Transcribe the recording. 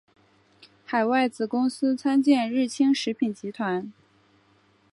海外子公司参见日清食品集团。